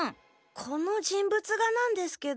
この人物画なんですけど。